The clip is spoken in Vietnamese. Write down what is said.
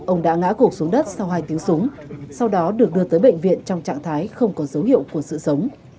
ông đã ngã cuộc xuống đất sau hai tiếng súng sau đó được đưa tới bệnh viện trong trạng thái không có dấu hiệu của sự sống